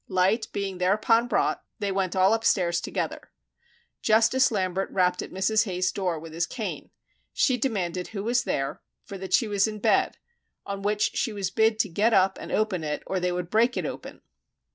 Light being thereupon brought they went all upstairs together. Justice Lambert rapped at Mrs. Hayes's door with his cane; she demanded who was there, for that she was in bed, on which she was bid to get up and open it, or they would break it open.